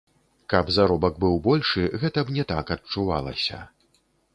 Каб заробак быў большы, гэта б не так адчувалася.